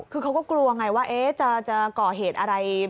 คือเขาก็กลัวไงว่าจะก่อเหตุอะไร